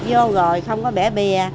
chỉ dịch vô rồi không có bẻ bề